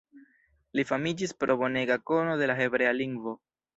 Li famiĝis pro bonega kono de la hebrea lingvo.